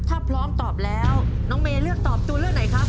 ถ้าพร้อมตอบแล้วน้องเมย์เลือกตอบตัวเลือกไหนครับ